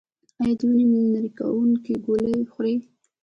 ایا د وینې نری کوونکې ګولۍ خورئ؟